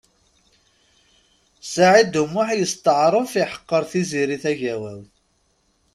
Saɛid U Muḥ yesṭeɛref iḥeqqeṛ Tiziri Tagawawt.